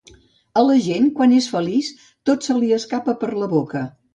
A la gent, quan és feliç, tot se li escapa per la boca.